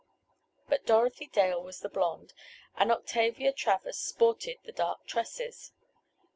But Dorothy Dale was the blond, and Octavia Travers, "sported" the dark tresses.